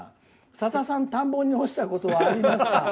さださん、田んぼに落ちたことはありますか？」